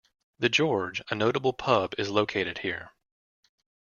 "The George", a notable pub, is located here.